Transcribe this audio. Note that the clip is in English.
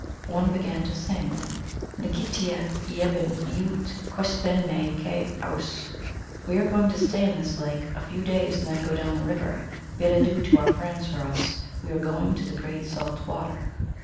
One began to sing, " N ktieh ieben mt, Qu spen ma ke owse." We are going to stay in this lake A few days, and then go down the river. Bid adieu to our friends for us ; We are going to the great salt water.